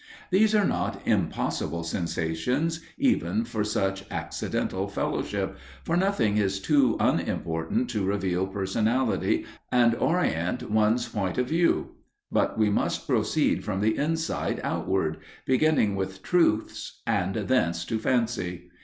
These are not impossible sensations even for such accidental fellowship, for nothing is too unimportant to reveal personality and orient one's point of view. But we must proceed from the inside, outward beginning with truths and thence to fancy.